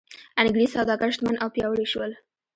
انګرېز سوداګر شتمن او پیاوړي شول.